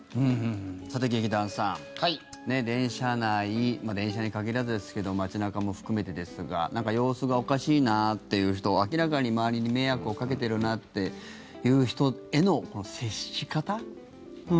さて、劇団さん電車内電車に限らずですけど街中も含めてですがなんか様子がおかしいなという人明らかに周りに迷惑をかけてるなという人への接し方。